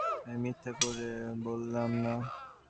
আমি মিথ্যা করে বললাম, না।